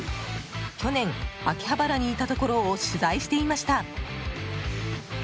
去年、秋葉原にいたところを取材していました。